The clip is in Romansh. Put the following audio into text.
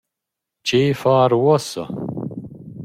Che far uossa?